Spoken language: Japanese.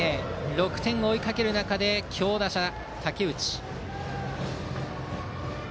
６点を追いかける中でバッターは強打者、武内。